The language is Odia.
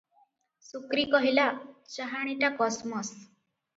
"ଶୁକ୍ରୀ କହିଲା," ଚାହାଣିଟା କସ୍ ମସ୍ ।"